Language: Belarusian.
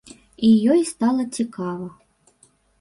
І ёй стала цікава.